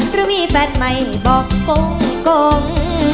แล้วมีแฟนใหม่บอกโกงโกง